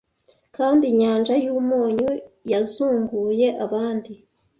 Kandi inyanja yumunyu yazunguye abandi